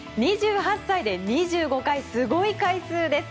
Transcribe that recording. ２８歳で２５回すごい回数です。